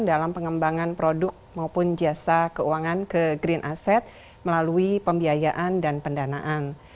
dalam pengembangan produk maupun jasa keuangan ke green asset melalui pembiayaan dan pendanaan